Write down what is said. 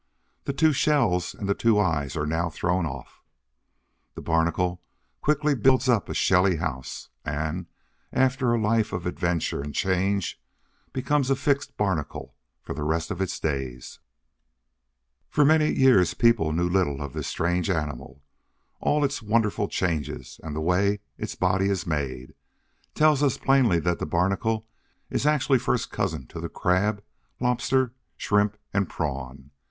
The two shells and the two eyes are now thrown off. The Barnacle quickly builds up a shelly house, and, after a life of adventure and change, becomes a fixed Barnacle for the rest of its days. For many years people knew little of this strange animal. All its wonderful changes, and the way its body is made, tell us plainly that the Barnacle is actually first cousin to the Crab, Lobster, Shrimp and Prawn!